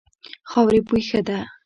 خاورې بوی ښه دی.